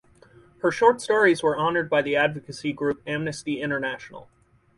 Her short stories were honored by the advocacy group Amnesty International.